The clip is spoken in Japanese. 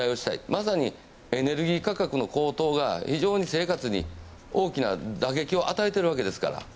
まさにエネルギー価格の高騰が非常に生活に大きな打撃を与えているわけですから。